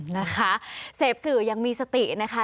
นะคะเสพสื่อยังมีสตินะคะ